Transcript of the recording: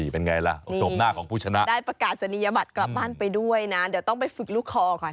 เดี๋ยวต้องไปฝึกลูกคอก่อน